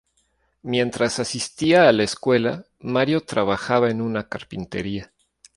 Mientras asistía a la escuela, Mario trabajaba en una carpintería.